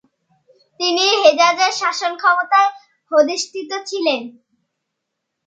তিনি হেজাজে শাসনক্ষমতায় অধিষ্ঠিত ছিলেন।